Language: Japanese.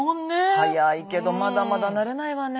早いけどまだまだ慣れないわね。